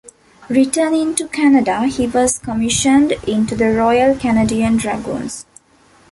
Returning to Canada he was commissioned into the Royal Canadian Dragoons.